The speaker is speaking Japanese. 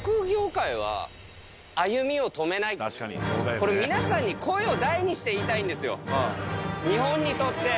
これ皆さんに声を大にして言いたいんですよ。